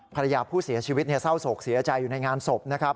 ภรรยาผู้เสียชีวิตเศร้าโศกเสียใจอยู่ในงานศพนะครับ